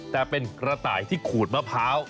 แต่เป็นกระต่ายที่ขูดมะพร้าว